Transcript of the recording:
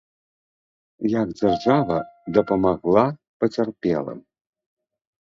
Як дзяржава дапамагла пацярпелым?